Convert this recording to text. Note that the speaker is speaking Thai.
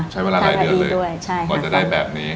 ใช้เวลาหลายเดือนเลยกว่าจะได้แบบนี้